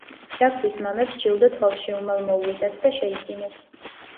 რაგბის მამებს ჯილდო თვალში უმალ მოუვიდათ და შეიძინეს.